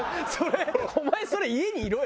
お前それ家にいろよ！